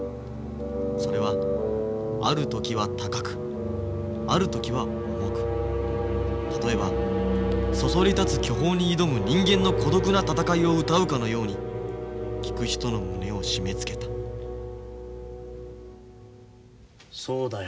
それはある時は高くある時は重く例えばそそり立つ巨峰に挑む人間の孤独な闘いをうたうかのように聴く人の胸を締めつけたそうだよ。